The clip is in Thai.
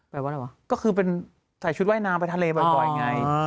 แปลว่าอะไรวะก็คือเป็นใส่ชุดว่ายน้ำไปทะเลบ่อยไง